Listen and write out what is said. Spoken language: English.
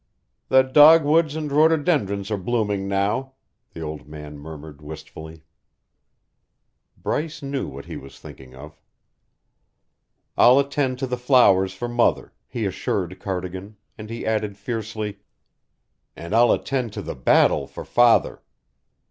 "The dogwoods and rhododendron are blooming now," the old man murmured wistfully. Bryce knew what he was thinking of. "I'll attend to the flowers for Mother," he assured Cardigan, and he added fiercely: "And I'll attend to the battle for Father.